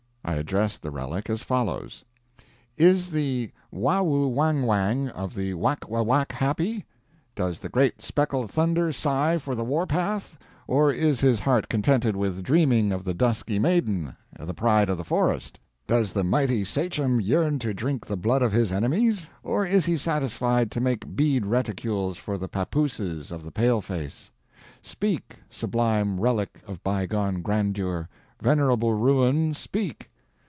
I addressed the relic as follows: "Is the Wawhoo Wang Wang of the Whack a Whack happy? Does the great Speckled Thunder sigh for the war path, or is his heart contented with dreaming of the dusky maiden, the Pride of the Forest? Does the mighty Sachem yearn to drink the blood of his enemies, or is he satisfied to make bead reticules for the pappooses of the paleface? Speak, sublime relic of bygone grandeur venerable ruin, speak!"